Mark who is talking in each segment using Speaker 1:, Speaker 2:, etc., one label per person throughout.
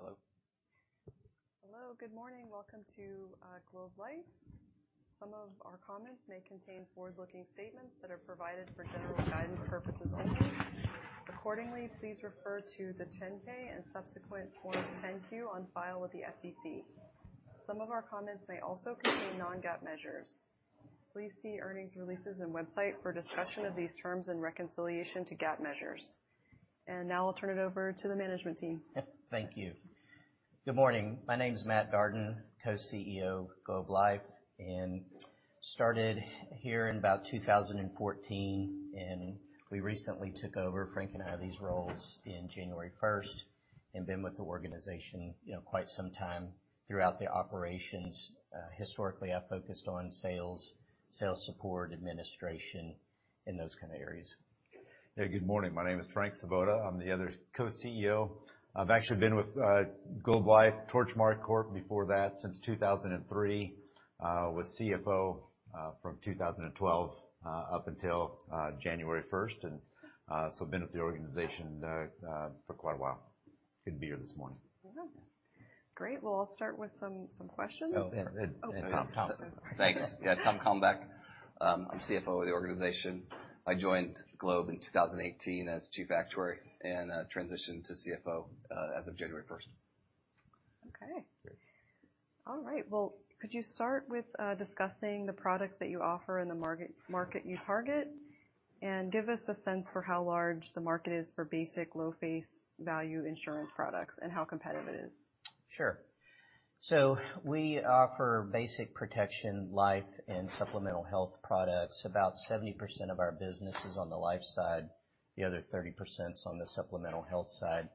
Speaker 1: Hello.
Speaker 2: Hello, good morning. Welcome to Globe Life. Some of our comments may contain forward-looking statements that are provided for general guidance purposes only. Accordingly, please refer to the Form 10-K and subsequent Form 10-Q on file with the SEC. Some of our comments may also contain non-GAAP measures. Please see earnings releases and website for discussion of these terms and reconciliation to GAAP measures. Now I'll turn it over to the Management team.
Speaker 1: Thank you. Good morning. My name is Matt Darden, Co-CEO of Globe Life. Started here in about 2014. We recently took over, Frank and I, these roles in January 1st. Been with the organization, you know, quite some time throughout the operations. Historically, I focused on sales support, administration, and those kind of areas.
Speaker 3: Yeah. Good morning. My name is Frank Svoboda. I'm the other Co-CEO. I've actually been with Globe Life, Torchmark Corp before that, since 2003, with CFO, from 2012, up until January 1st. Been with the organization for quite a while. Good to be here this morning.
Speaker 2: Great. I'll start with some questions.
Speaker 3: Oh, Tom.
Speaker 1: Tom.
Speaker 2: Oh, sorry.
Speaker 4: Thanks. Yeah, Tom Kalmbach. I'm CFO of the organization. I joined Globe in 2018 as Chief Actuary and transitioned to CFO as of January 1st.
Speaker 2: Okay.
Speaker 3: Great.
Speaker 2: All right. Well, could you start with discussing the products that you offer in the market you target? Give us a sense for how large the market is for basic low face value insurance products and how competitive it is?
Speaker 1: Sure. We offer basic protection, life, and supplemental health products. About 70% of our business is on the life side, the other 30% is on the supplemental health side.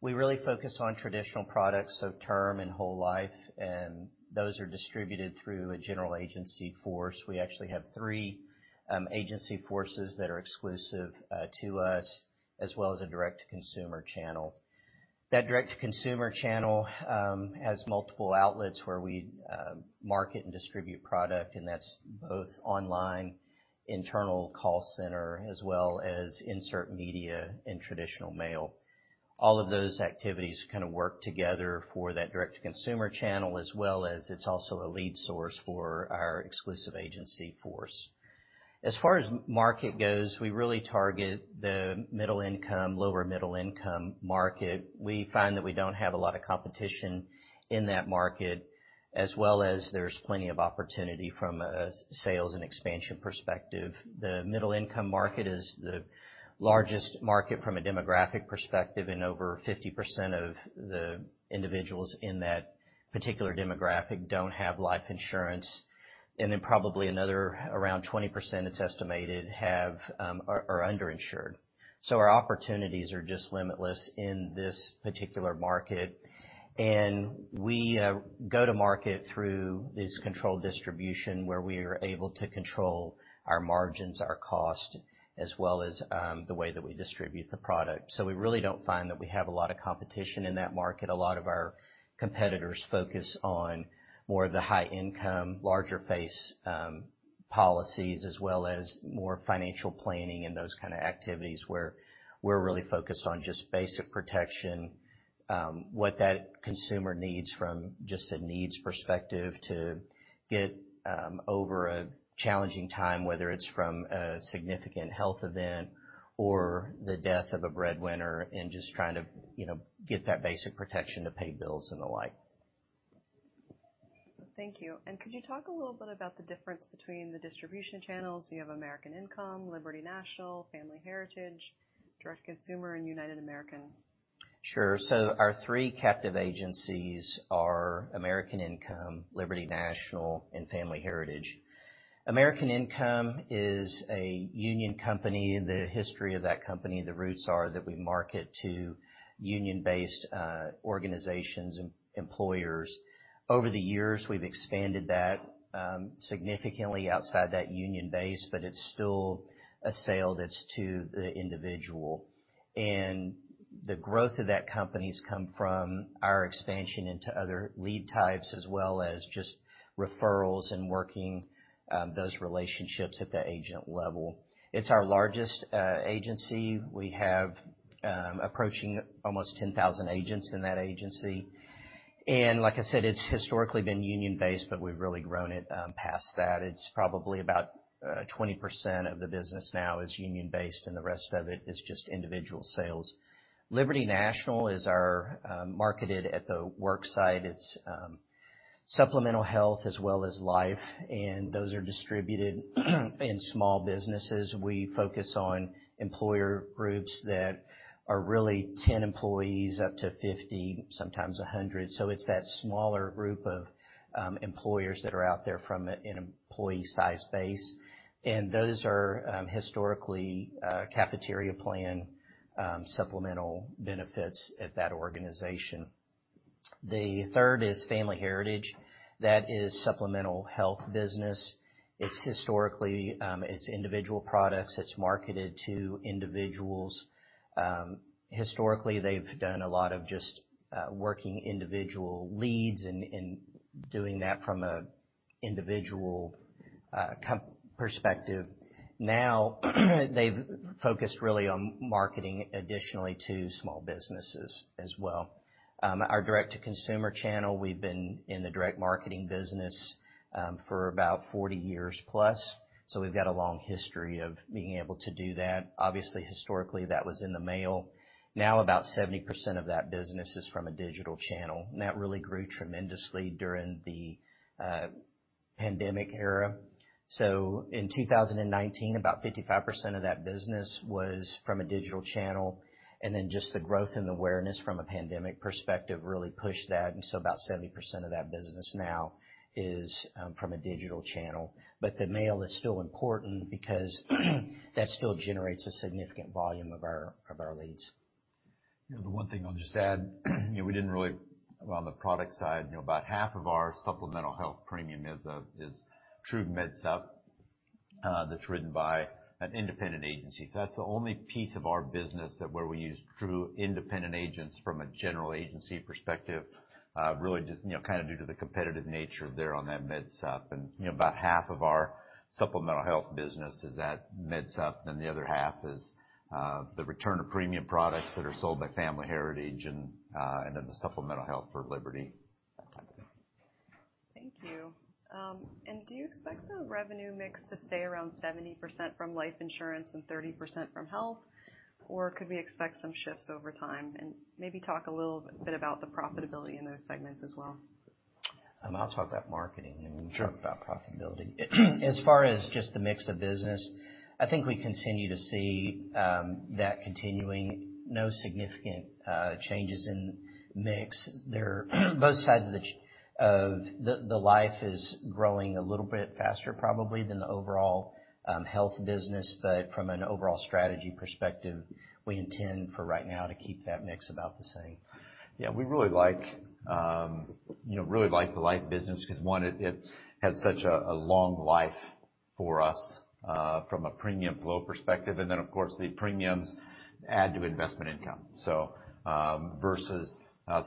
Speaker 1: We really focus on traditional products, so term and whole life, and those are distributed through a General Agency force. We actually have three agency forces that are exclusive to us, as well as a Direct to Consumer channel. That Direct to Consumer channel has multiple outlets where we market and distribute product, and that's both online, internal call center, as well as insert media and traditional mail. All of those activities kind of work together for that Direct to Consumer channel, as well as it's also a lead source for our exclusive agency force. As far as market goes, we really target the middle income, lower middle-income market. We find that we don't have a lot of competition in that market, as well as there's plenty of opportunity from a sales and expansion perspective. The middle-income market is the largest market from a demographic perspective and over 50% of the individuals in that particular demographic don't have life insurance. Probably another around 20% it's estimated have are underinsured. Our opportunities are just limitless in this particular market. We go to market through this controlled distribution where we are able to control our margins, our cost, as well as the way that we distribute the product. We really don't find that we have a lot of competition in that market. A lot of our competitors focus on more of the high income, larger face, policies, as well as more financial planning and those kind of activities, where we're really focused on just basic protection, what that consumer needs from just a needs perspective to get over a challenging time, whether it's from a significant health event or the death of a breadwinner and just trying to, you know, get that basic protection to pay bills and the like.
Speaker 2: Thank you. Could you talk a little bit about the difference between the distribution channels? You have American Income, Liberty National, Family Heritage, Direct to Consumer, and United American.
Speaker 1: Sure. Our three captive agencies are American Income, Liberty National, and Family Heritage. American Income is a union company. The history of that company, the roots are that we market to union-based organizations and employers. Over the years, we've expanded that significantly outside that union base, but it's still a sale that's to the individual. The growth of that company's come from our expansion into other lead types as well as just referrals and working those relationships at the agent level. It's our largest agency. We have approaching almost 10,000 agents in that agency. Like I said, it's historically been union-based, but we've really grown it past that. It's probably about 20% of the business now is union-based, and the rest of it is just individual sales. Liberty National is our marketed at the work site. It's supplemental health as well as life. Those are distributed in small businesses. We focus on employer groups that are really 10 employees up to 50, sometimes 100. It's that smaller group of employers that are out there from an employee size base. Those are historically cafeteria plan supplemental benefits at that organization. The third is Family Heritage. That is supplemental health business. It's historically individual products. It's marketed to individuals. Historically, they've done a lot of just working individual leads and doing that from a individual perspective. Now they've focused really on marketing additionally to small businesses as well. Our Direct to Consumer channel, we've been in the direct marketing business for about 40 years plus, so we've got a long history of being able to do that. Obviously, historically, that was in the mail. Now about 70% of that business is from a digital channel, and that really grew tremendously during the pandemic era. In 2019, about 55% of that business was from a digital channel, and then just the growth and awareness from a pandemic perspective really pushed that, and so about 70% of that business now is from a digital channel. The mail is still important because that still generates a significant volume of our, of our leads.
Speaker 3: You know, the one thing I'll just add, you know, we didn't really on the product side, you know, about half of our supplemental health premium is true MedSup, that's written by an independent agency. That's the only piece of our business that where we use true independent agents from a general agency perspective, really just, you know, kind of due to the competitive nature there on that MedSup. You know, about half of our supplemental health business is at MedSup, then the other half is the Return of Premium products that are sold by Family Heritage and then the supplemental health for Liberty, that type of thing.
Speaker 2: Thank you. Do you expect the revenue mix to stay around 70% from life insurance and 30% from health, or could we expect some shifts over time? Maybe talk a little bit about the profitability in those segments as well.
Speaker 1: I'll talk about marketing.
Speaker 3: Sure.
Speaker 1: You can talk about profitability. As far as just the mix of business, I think we continue to see that continuing. No significant changes in mix. They're both sides of the life is growing a little bit faster probably than the overall health business. From an overall strategy perspective, we intend for right now to keep that mix about the same.
Speaker 3: Yeah. We really like, you know, really like the life business because, one, it has such a long life for us from a premium flow perspective, and then, of course, the premiums add to investment income. Versus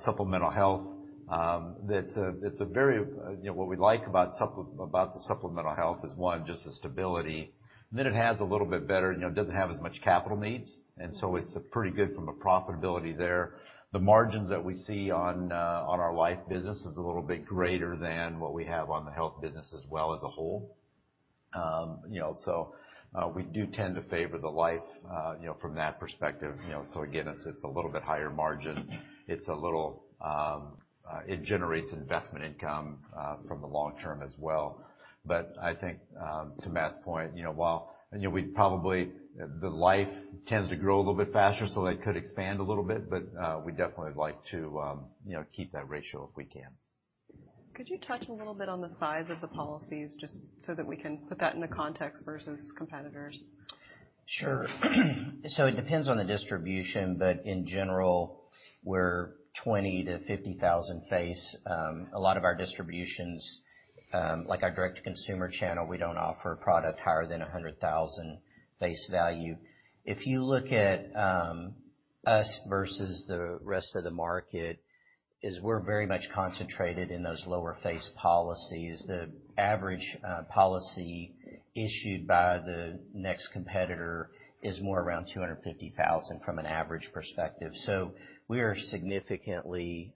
Speaker 3: supplemental health. You know, what we like about the supplemental health is, one, just the stability, and then it has a little bit better, you know, it doesn't have as much capital needs, and so it's pretty good from a profitability there. The margins that we see on our life business is a little bit greater than what we have on the health business as well as a whole. We do tend to favor the life, you know, from that perspective, you know. Again, it's a little bit higher margin. It's a little. It generates investment income from the long term as well. I think, to Matt's point, you know, while, you know, the life tends to grow a little bit faster, so that could expand a little bit, but we'd definitely like to, you know, keep that ratio if we can.
Speaker 2: Could you touch a little bit on the size of the policies just so that we can put that into context versus competitors?
Speaker 1: Sure. It depends on the distribution, but in general, we're 20,000-50,000 face. A lot of our distributions, like our Direct to Consumer channel, we don't offer a product higher than 100,000 face value. If you look at us versus the rest of the market, is we're very much concentrated in those lower face policies. The average policy issued by the next competitor is more around 250,000 from an average perspective. We are significantly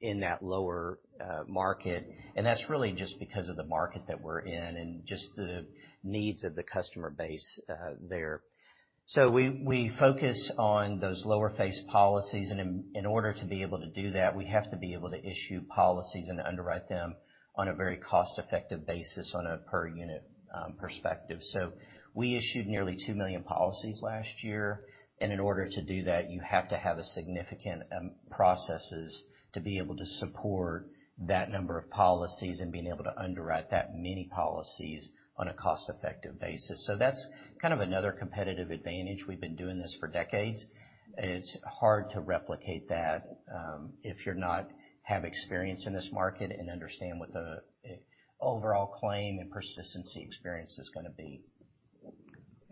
Speaker 1: in that lower market, and that's really just because of the market that we're in and just the needs of the customer base there. We focus on those lower face policies, and in order to be able to do that, we have to be able to issue policies and underwrite them on a very cost-effective basis on a per unit perspective. We issued nearly two million policies last year, and in order to do that, you have to have a significant processes to be able to support that number of policies and being able to underwrite that many policies on a cost-effective basis. That's kind of another competitive advantage. We've been doing this for decades. It's hard to replicate that, if you're not have experience in this market and understand what the overall claim and persistency experience is gonna be.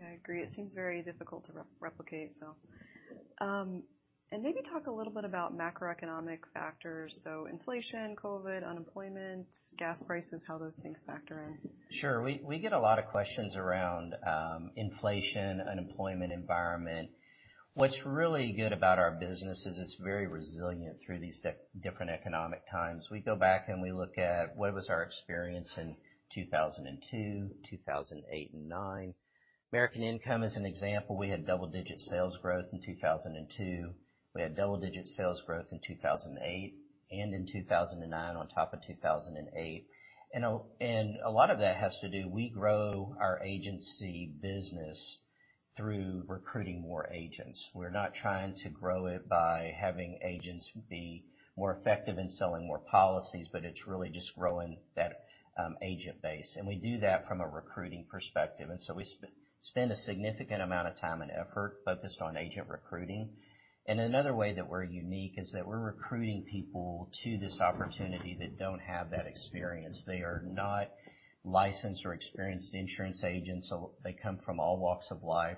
Speaker 2: I agree. It seems very difficult to replicate, so. maybe talk a little bit about macroeconomic factors, so inflation, COVID, unemployment, gas prices, how those things factor in.
Speaker 1: Sure. We get a lot of questions around inflation, unemployment environment. What's really good about our business is it's very resilient through these different economic times. We go back and we look at what was our experience in 2002, 2008 and 2009. American Income, as an example, we had double-digit sales growth in 2002, we had double-digit sales growth in 2008, and in 2009 on top of 2008. A lot of that has to do, we grow our agency business through recruiting more agents. We're not trying to grow it by having agents be more effective in selling more policies, but it's really just growing that agent base. We do that from a recruiting perspective, so we spend a significant amount of time and effort focused on agent recruiting. Another way that we're unique is that we're recruiting people to this opportunity that don't have that experience. They are not licensed or experienced insurance agents, so they come from all walks of life.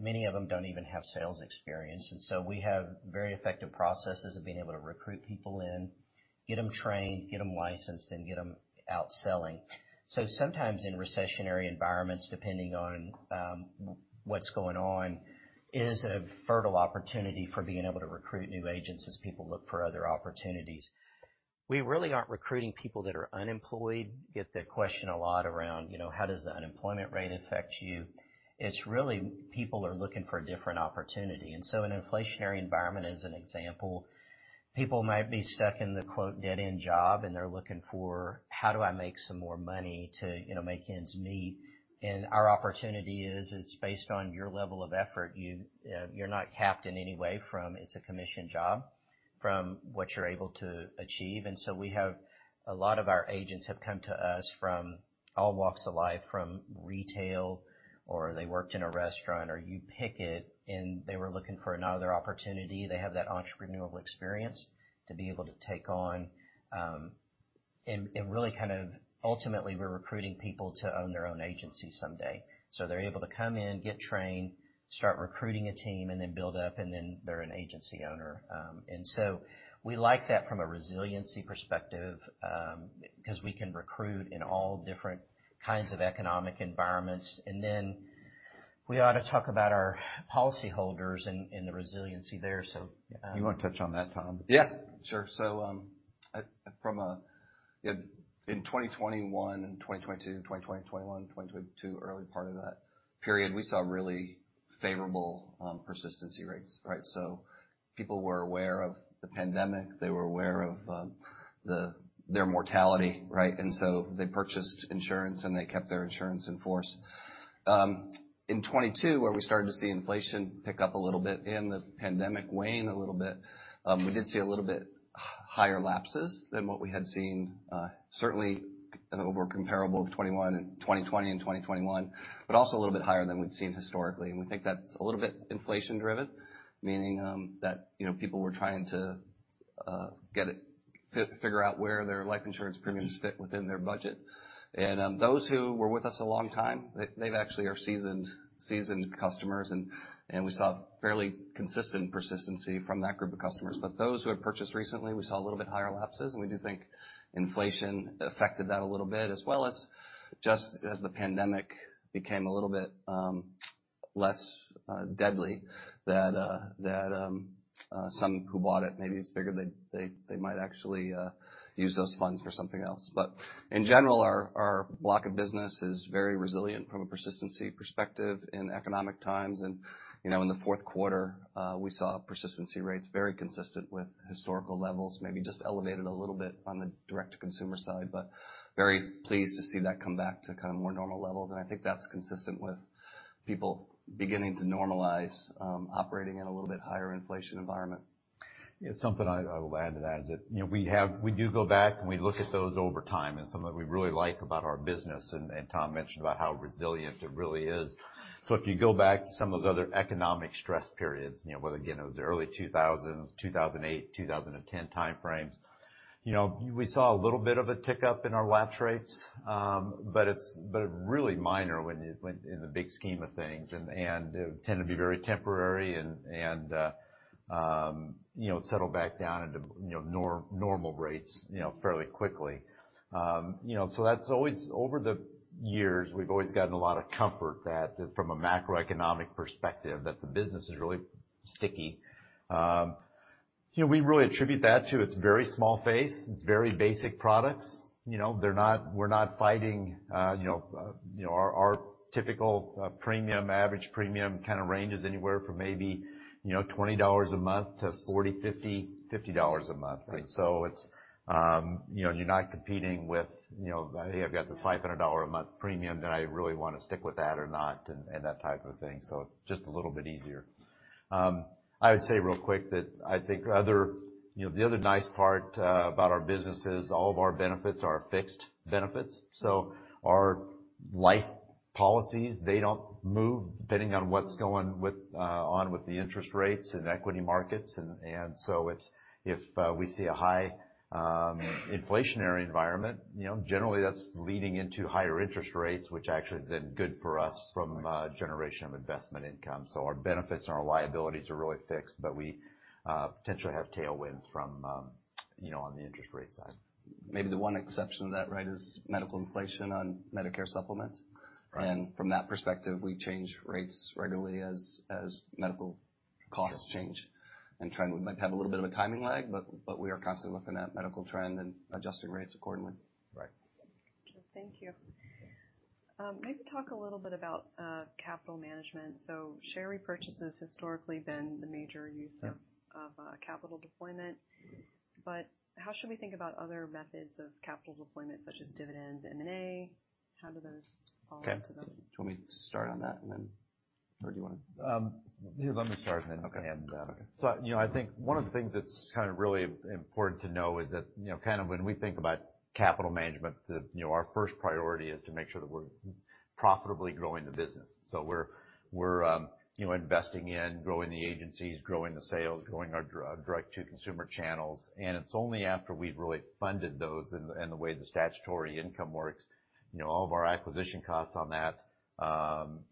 Speaker 1: Many of them don't even have sales experience, so we have very effective processes of being able to recruit people in, get them trained, get them licensed, and get them out selling. Sometimes in recessionary environments, depending on what's going on, it is a fertile opportunity for being able to recruit new agents as people look for other opportunities. We really aren't recruiting people that are unemployed. We get the question a lot around, you know, how does the unemployment rate affect you? It's really people are looking for a different opportunity. An inflationary environment, as an example, people might be stuck in the, quote, "dead-end job," and they're looking for, how do I make some more money to, you know, make ends meet? Our opportunity is it's based on your level of effort. You're not capped in any way from, it's a commission job, from what you're able to achieve. We have a lot of our agents have come to us from all walks of life, from retail, or they worked in a restaurant, or you pick it, and they were looking for another opportunity. They have that entrepreneurial experience to be able to take on, and really kind of ultimately, we're recruiting people to own their own agency someday. They're able to come in, get trained, start recruiting a team, and then build up, and then they're an agency owner. We like that from a resiliency perspective, 'cause we can recruit in all different kinds of economic environments. We ought to talk about our policyholders and the resiliency there.
Speaker 3: You want to touch on that, Tom?
Speaker 4: Yeah, sure. In 2021 and 2022, 2020 to 2021, 2022, early part of that period, we saw really favorable persistency rates, right? People were aware of the pandemic, they were aware of their mortality, right? They purchased insurance, and they kept their insurance in force. In 2022, where we started to see inflation pick up a little bit and the pandemic wane a little bit, we did see a little bit higher lapses than what we had seen, certainly over comparable of 2021 and 2020 and 2021, but also a little bit higher than we'd seen historically. We think that's a little bit inflation-driven, meaning that, you know, people were trying to figure out where their life insurance premiums fit within their budget. Those who were with us a long time, they've actually are seasoned customers, and we saw fairly consistent persistency from that group of customers. Those who have purchased recently, we saw a little bit higher lapses, and we do think inflation affected that a little bit, as well as just as the pandemic became a little bit less deadly, that some who bought it maybe figured they might actually use those funds for something else. In general, our block of business is very resilient from a persistency perspective in economic times. You know, in the fourth quarter, we saw persistency rates very consistent with historical levels, maybe just elevated a little bit on the Direct to Consumer side, but very pleased to see that come back to kind of more normal levels. I think that's consistent with people beginning to normalize, operating in a little bit higher inflation environment.
Speaker 3: Something I will add to that is that, you know, we do go back, and we look at those over time. Something we really like about our business, and Tom Kalmbach mentioned about how resilient it really is. If you go back to some of those other economic stress periods, you know, whether, again, it was the early 2000s, 2008, 2010 time frames, you know, we saw a little bit of a tick up in our lapse rates, but really minor in the big scheme of things, and they tend to be very temporary and, you know, settle back down into, you know, normal rates, you know, fairly quickly. You know, that's always, over the years, we've always gotten a lot of comfort that from a macroeconomic perspective, that the business is really sticky. You know, we really attribute that to its very small face. It's very basic products. You know, we're not fighting, you know, our typical premium, average premium kind of ranges anywhere from maybe, you know, $20 a month to $40-$50 a month. You know, you're not competing with, you know, I've got this $500 a month premium that I really want to stick with that or not and that type of thing. It's just a little bit easier. I would say real quick that I think other, you know, the other nice part about our business is all of our benefits are fixed benefits. Our life policies, they don't move depending on what's going on with the interest rates and equity markets. It's, if we see a high inflationary environment, you know, generally that's leading into higher interest rates, which actually has been good for us from a generation of investment income. Our benefits and our liabilities are really fixed, but we potentially have tailwinds from, you know, on the interest rate side.
Speaker 4: Maybe the one exception to that, right, is medical inflation on Medicare Supplement.
Speaker 3: Right.
Speaker 4: From that perspective, we change rates regularly as medical costs change and trying to might have a little bit of a timing lag, but we are constantly looking at medical trend and adjusting rates accordingly.
Speaker 3: Right.
Speaker 2: Thank you. Maybe talk a little bit about capital management. Share repurchase has historically been the major use of capital deployment, but how should we think about other methods of capital deployment, such as dividends, M&A? How do those fall into those?
Speaker 4: Okay. Do you want me to start on that and then... Do you want to?
Speaker 3: Here, let me start, and then hand it out.
Speaker 4: Okay.
Speaker 3: You know, I think one of the things that's kind of really important to know is that, you know, kind of when we think about capital management, the, you know, our first priority is to make sure that we're profitably growing the business. We're, you know, investing in growing the agencies, growing the sales, growing our Direct to Consumer channels. It's only after we've really funded those and the, and the way the statutory income works, you know, all of our acquisition costs on that,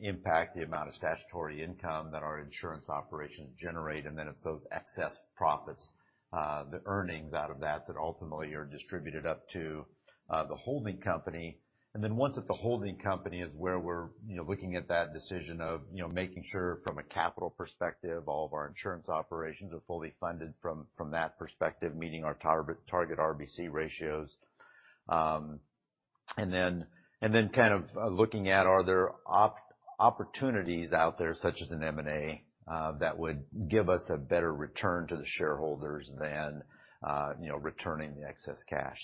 Speaker 3: impact the amount of statutory income that our insurance operations generate, and then it's those excess profits, the earnings out of that ultimately are distributed up to the holding company. Once it's a holding company is where we're, you know, looking at that decision of, you know, making sure from a capital perspective, all of our insurance operations are fully funded from that perspective, meeting our target RBC ratios. Looking at are there opportunities out there such as an M&A that would give us a better return to the shareholders than, you know, returning the excess cash.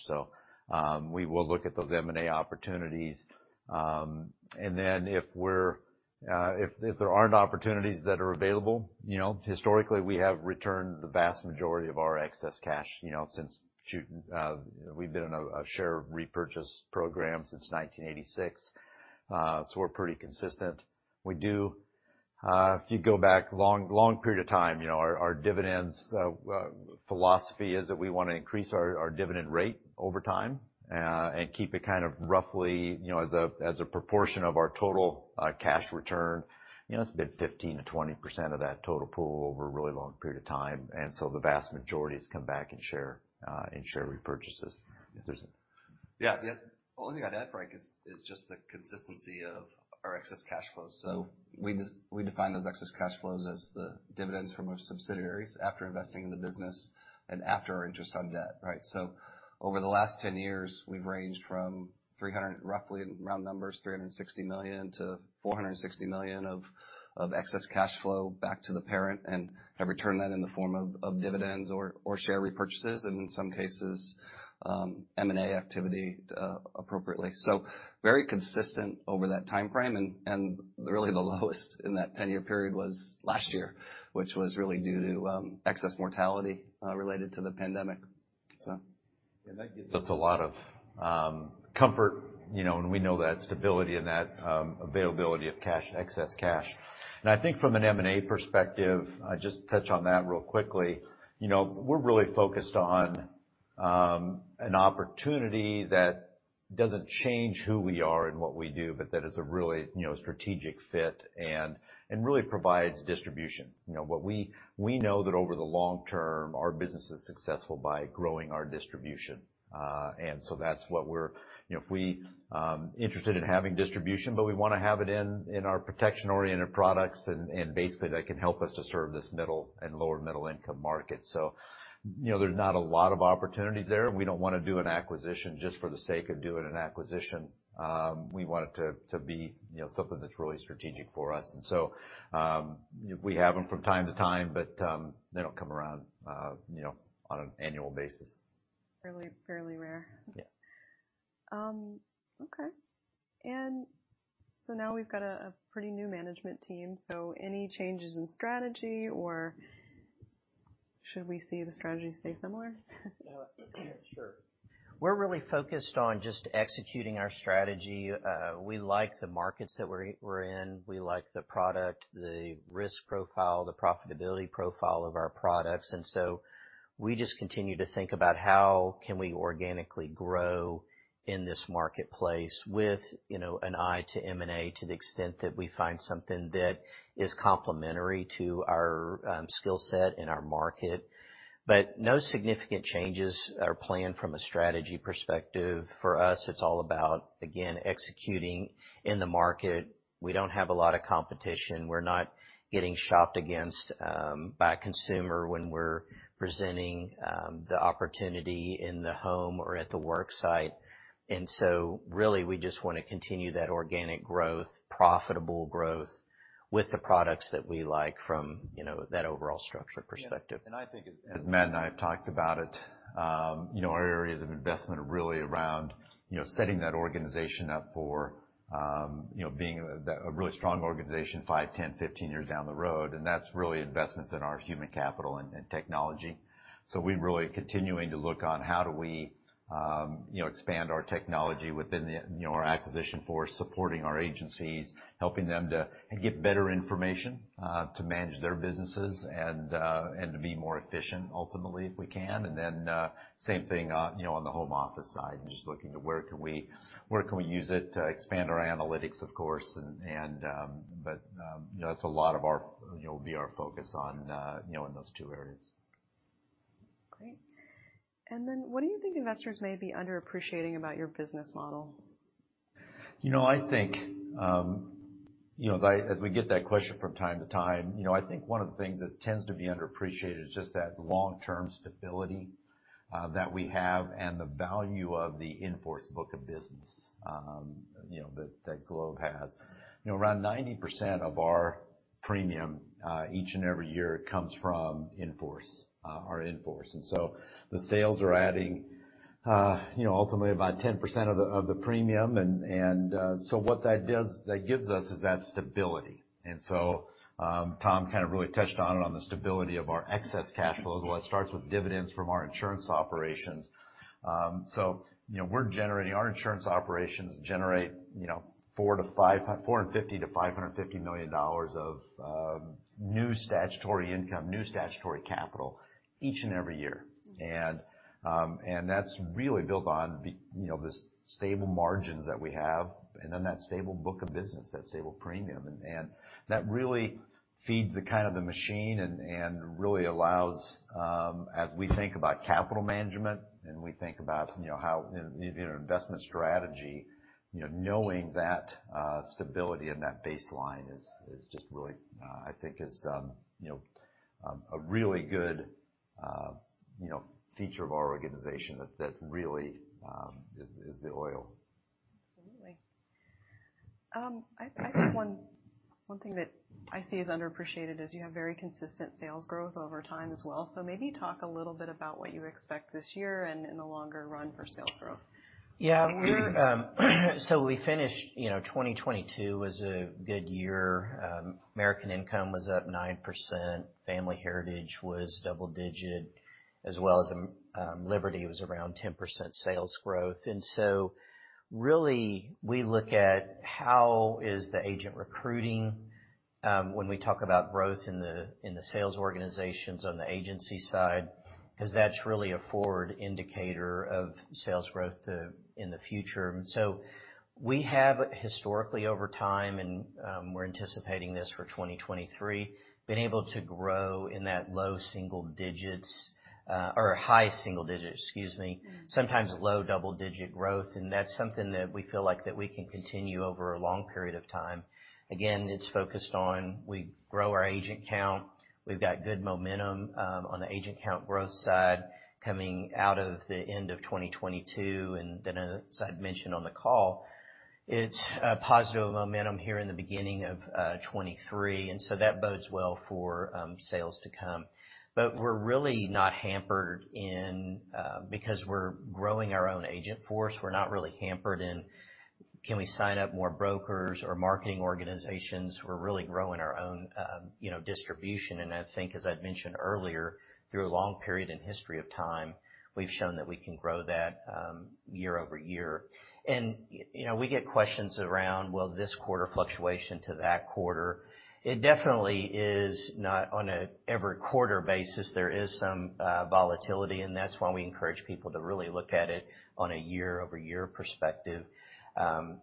Speaker 3: We will look at those M&A opportunities. If we're if there aren't opportunities that are available, you know, historically, we have returned the vast majority of our excess cash since we've been in a share repurchase program since 1986. We're pretty consistent. We do, if you go back long, long period of time, you know, our dividends, philosophy is that we wanna increase our dividend rate over time, and keep it kind of roughly, you know, as a, as a proportion of our total, cash return. You know, it's been 15%-20% of that total pool over a really long period of time. The vast majority has come back in share, in share repurchases.
Speaker 4: Yeah. The only thing I'd add, Frank, is just the consistency of our excess cash flows. We define those excess cash flows as the dividends from our subsidiaries after investing in the business and after our interest on debt, right? Over the last 10 years, we've ranged from roughly round numbers, $360 million to $460 million of excess cash flow back to the parent and have returned that in the form of dividends or share repurchases, and in some cases, M&A activity appropriately. Very consistent over that timeframe. Really the lowest in that 10-year period was last year, which was really due to excess mortality related to the pandemic.
Speaker 3: That gives us a lot of comfort, you know, and we know that stability and that availability of cash, excess cash. I think from an M&A perspective, I just touch on that real quickly. You know, we're really focused on an opportunity that doesn't change who we are and what we do, but that is a really, you know, strategic fit and really provides distribution. You know, we know that over the long term, our business is successful by growing our distribution. That's what we're. You know, if we interested in having distribution, but we wanna have it in our protection-oriented products and basically that can help us to serve this middle and lower middle-income market. You know, there's not a lot of opportunities there. We don't wanna do an acquisition just for the sake of doing an acquisition. We want it to be, you know, something that's really strategic for us. We have them from time to time, they don't come around, you know, on an annual basis.
Speaker 2: Fairly, fairly rare.
Speaker 3: Yeah.
Speaker 2: Okay. Now we've got a pretty new Management team. Any changes in strategy or should we see the strategy stay similar?
Speaker 1: Yeah, sure. We're really focused on just executing our strategy. We like the markets that we're in. We like the product, the risk profile, the profitability profile of our products. We just continue to think about how can we organically grow in this marketplace with, you know, an eye to M&A to the extent that we find something that is complementary to our skill set and our market. No significant changes are planned from a strategy perspective. For us, it's all about, again, executing in the market. We don't have a lot of competition. We're not getting shopped against by a consumer when we're presenting the opportunity in the home or at the work site. Really, we just wanna continue that organic growth, profitable growth with the products that we like from, you know, that overall structure perspective.
Speaker 3: Yeah. I think as Matt and I have talked about it, you know, our areas of investment are really around, you know, setting that organization up for, you know, being a, the, a really strong organization five, 10, 15 years down the road. That's really investments in our human capital and technology. We're really continuing to look on how do we, you know, expand our technology within the, you know, our acquisition force, supporting our agencies, helping them to get better information, to manage their businesses and to be more efficient ultimately, if we can. Then, same thing, you know, on the home office side, and just looking to where can we use it to expand our analytics, of course. you know, that's a lot of our, you know, our focus on, you know, in those two areas.
Speaker 2: Great. Then what do you think investors may be underappreciating about your business model?
Speaker 3: You know, I think, you know, as we get that question from time to time, you know, I think one of the things that tends to be underappreciated is just that long-term stability that we have and the value of the in-force book of business, you know, that Globe has. You know, around 90% of our premium each and every year comes from in-force, our in-force. The sales are adding, you know, ultimately about 10% of the, of the premium. What that gives us is that stability. Tom kind of really touched on it on the stability of our excess cash flows. Well, it starts with dividends from our insurance operations. You know, Our insurance operations generate, you know, $450 million-$550 million of new statutory income, new statutory capital each and every year. That's really built on, you know, the stable margins that we have, and then that stable book of business, that stable premium. That really feeds the kind of the machine and really allows, as we think about capital management and we think about, you know, how in, you know, investment strategy. You know, knowing that stability and that baseline is just really, I think is, you know, a really good, you know, feature of our organization that really is the oil.
Speaker 2: Absolutely. I think one thing that I see as underappreciated is you have very consistent sales growth over time as well. Maybe talk a little bit about what you expect this year and in the longer run for sales growth?
Speaker 1: Yeah. We're, so we finished, you know, 2022 was a good year. American Income was up 9%, Family Heritage was double-digit, as well as, Liberty was around 10% sales growth. Really, we look at how is the agent recruiting, when we talk about growth in the sales organizations on the agency side, 'cause that's really a forward indicator of sales growth in the future. We have historically over time, and, we're anticipating this for 2023, been able to grow in that low single digits, or high single digits, excuse me. Sometimes low double-digit growth, that's something that we feel like that we can continue over a long period of time. Again, it's focused on we grow our agent count. We've got good momentum on the agent count growth side coming out of the end of 2022. As I'd mentioned on the call, it's a positive momentum here in the beginning of 2023. That bodes well for sales to come. We're really not hampered in, because we're growing our own agent force, we're not really hampered in, can we sign up more brokers or marketing organizations. We're really growing our own, you know, distribution. I think, as I'd mentioned earlier, through a long period in history of time, we've shown that we can grow that year-over-year. You know, we get questions around, well, this quarter fluctuation to that quarter. It definitely is not on a every quarter basis. There is some volatility, and that's why we encourage people to really look at it on a year-over-year perspective.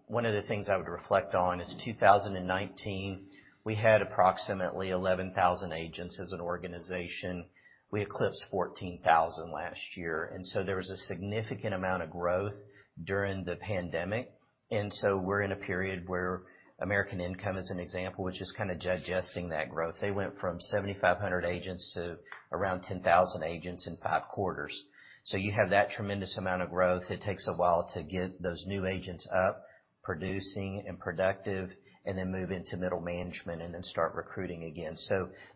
Speaker 1: One of the things I would reflect on is 2019, we had approximately 11,000 agents as an organization. We eclipsed 14,000 last year. There was a significant amount of growth during the pandemic. We're in a period where American Income, as an example, which is kind of digesting that growth. They went from 7,500 agents to around 10,000 agents in five quarters. You have that tremendous amount of growth. It takes a while to get those new agents up, producing and productive, and then move into middle management, and then start recruiting again.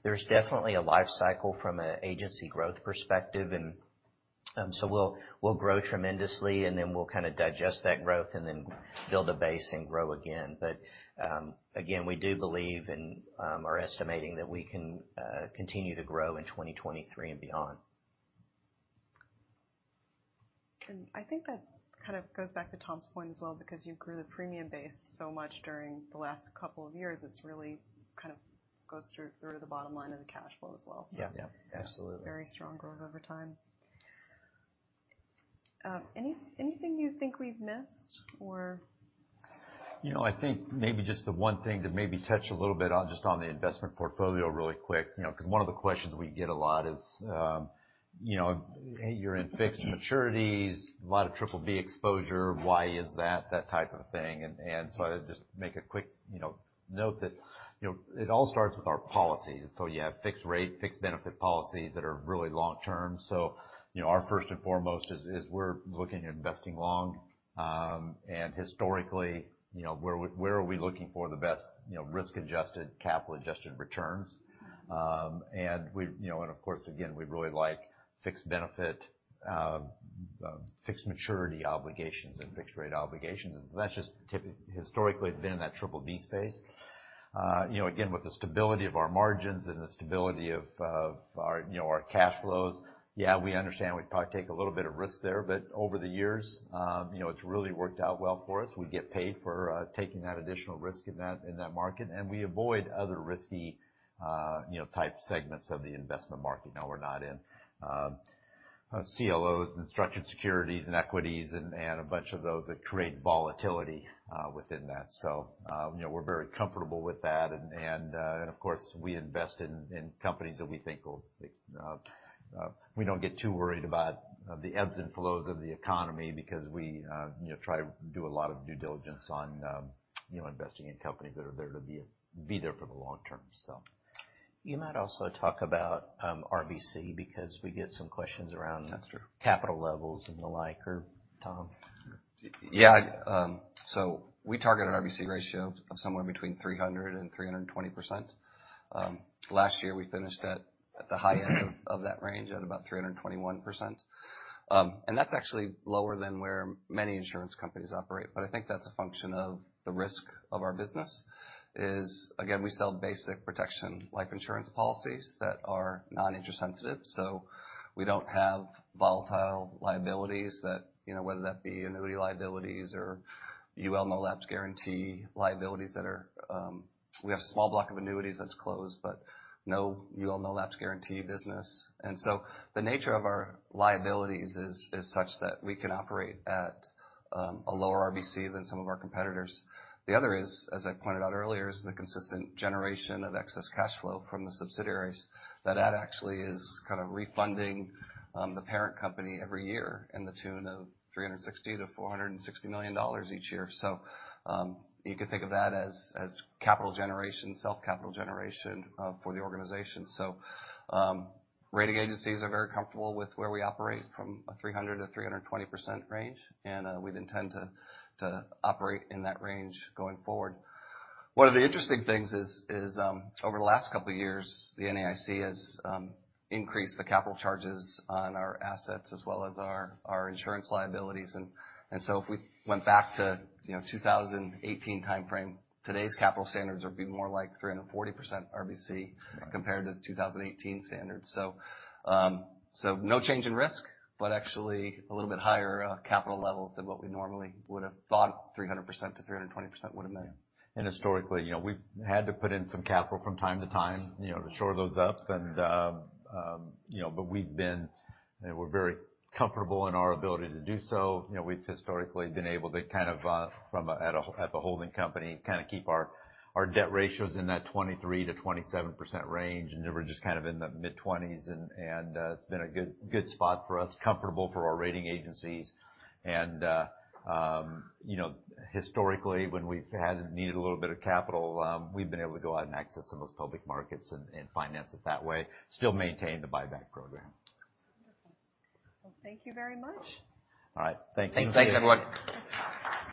Speaker 1: There's definitely a life cycle from an agency growth perspective. We'll grow tremendously, and then we'll kind of digest that growth and then build a base and grow again. Again, we do believe and are estimating that we can continue to grow in 2023 and beyond.
Speaker 2: I think that kind of goes back to Tom's point as well, because you grew the premium base so much during the last couple of years. It's really kind of goes through the bottom line of the cash flow as well.
Speaker 1: Yeah.
Speaker 4: Yeah. Absolutely.
Speaker 2: Very strong growth over time. Anything you think we've missed or...
Speaker 3: You know, I think maybe just the one thing to maybe touch a little bit on just on the investment portfolio really quick, you know, 'cause one of the questions we get a lot is, you know, you're in fixed maturities, a lot of BBB exposure, why is that? That type of thing. So I'll just make a quick, you know, note that, you know, it all starts with our policy. You have fixed rate, fixed benefit policies that are really long-term. You know, our first and foremost is we're looking at investing long. Historically, you know, where are we looking for the best, you know, risk-adjusted, capital-adjusted returns? We, you know, and of course, again, we really like fixed benefit, fixed maturity obligations and fixed rate obligations. That's just historically been in that BBB space. you know, again, with the stability of our margins and the stability of our, you know, our cash flows, yeah, we understand we probably take a little bit of risk there, but over the years, you know, it's really worked out well for us. We get paid for taking that additional risk in that, in that market, and we avoid other risky, you know, type segments of the investment market. Now, we're not in CLOs and structured securities and equities and a bunch of those that create volatility within that. you know, we're very comfortable with that. Of course, we invest in companies that we think will, we don't get too worried about the ebbs and flows of the economy because we, you know, try to do a lot of due diligence on, you know, investing in companies that are there to be there for the long term.
Speaker 1: You might also talk about RBC because we get some questions around.
Speaker 3: That's true.
Speaker 1: -capital levels and the like, or Tom?
Speaker 4: Sure. We target an RBC ratio of somewhere between 300% and 320%. Last year, we finished at the highest of that range at about 321%. That's actually lower than where many insurance companies operate. I think that's a function of the risk of our business is, again, we sell basic protection life insurance policies that are non-interest sensitive. We don't have volatile liabilities that, you know, whether that be annuity liabilities or UL no-lapse guarantee liabilities that are. We have a small block of annuities that's closed, but no UL no-lapse guarantee business. The nature of our liabilities is such that we can operate at a lower RBC than some of our competitors. The other is, as I pointed out earlier, is the consistent generation of excess cash flow from the subsidiaries, that actually is kind of refunding the parent company every year in the tune of $360 million-$460 million each year. You can think of that as capital generation, self-capital generation for the organization. Rating agencies are very comfortable with where we operate from a 300%-320% range, and we'd intend to operate in that range going forward. One of the interesting things is, over the last couple of years, the NAIC has increased the capital charges on our assets as well as our insurance liabilities. If we went back to, you know, 2018 timeframe, today's capital standards would be more like 340% RBC compared to 2018 standards. No change in risk, but actually a little bit higher capital levels than what we normally would have thought 300%-320% would have been.
Speaker 3: Historically, you know, we've had to put in some capital from time to time, you know, to shore those up. You know, we're very comfortable in our ability to do so. You know, we've historically been able to kind of, at the holding company, kind of keep our debt ratios in that 23%-27% range, and they were just kind of in the mid-20s. It's been a good spot for us, comfortable for our rating agencies. You know, historically, when we've needed a little bit of capital, we've been able to go out and access some of those public markets and finance it that way, still maintain the buyback program.
Speaker 2: Wonderful. Thank you very much.
Speaker 3: All right. Thank you.
Speaker 1: Thanks, everyone.